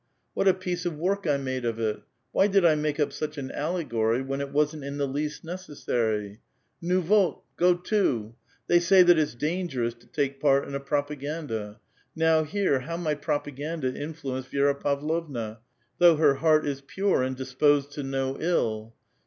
What a piece of work I made of, it! Why did 1 make up such an allegory when it wasn't in the least necessary ? Xu vot ! go to I they sa}' that it's dangerous to take part in a propaganda ; now here, how my propaganda influenced \'iera Pavlovna, though her heart is pure and dis IK>sed to no ill.